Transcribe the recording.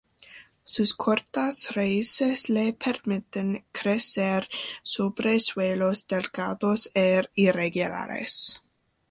Sus cortas raíces le permiten crecer sobre suelos delgados e irregulares.